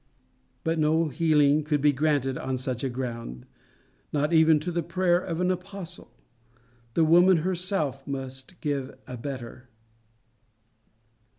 But no healing could be granted on such a ground not even to the prayer of an apostle. The woman herself must give a better.